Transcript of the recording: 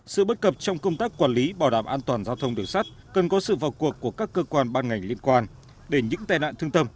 sự bất cập trong công tác quản lý bảo đảm an toàn giao thông đường sắt cần có sự vào cuộc của các cơ quan ban ngành liên quan để những tai nạn thương tâm